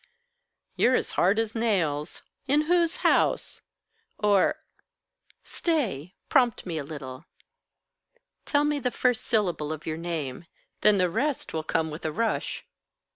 "You're as hard as nails. In whose house? Or stay. Prompt me a little. Tell me the first syllable of your name. Then the rest will come with a rush."